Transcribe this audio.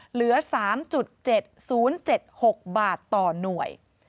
เหลือ๓๗๐๗๖บาทต่อหน่วย